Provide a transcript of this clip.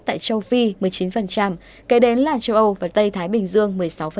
tại châu phi một mươi chín kế đến là châu âu và tây thái bình dương một mươi sáu